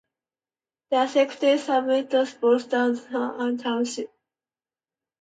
It accepted students from both the town and the township.